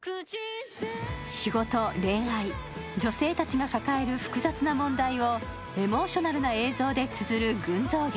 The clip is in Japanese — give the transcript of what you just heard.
仕事、恋愛、女性たちが抱える複雑な問題をエモーショナルな映像でつづる群像劇。